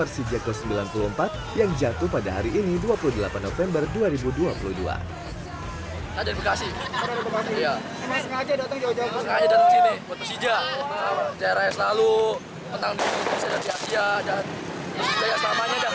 sijakos sembilan puluh empat yang jatuh pada hari ini dua puluh delapan november dua ribu dua puluh dua ada di bekasi ya